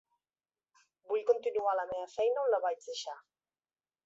Vull continuar la meva feina on la vaig deixar.